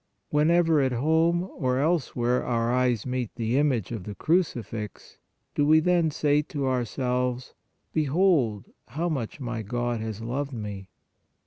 Whenever at home or elsewhere our eyes meet the image of the crucifix, do we then say to ourselves :" Behold how much my God has loved me?